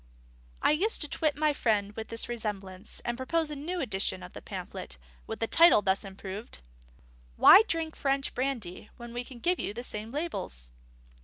I used to twit my friend with this resemblance, and propose a new edition of the pamphlet, with the title thus improved: _Why Drink French Brandy, when we give you the same labels?